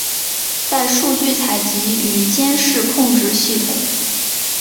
在数据采集与监视控制系统。